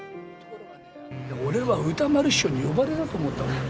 俺は歌丸師匠に呼ばれたと思ったもん。